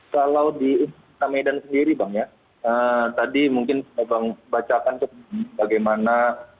kalau di medan sendiri bang ya tadi mungkin bang bacakan bagaimana